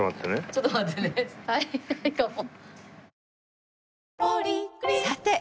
ちょっと待ってね足りないかも。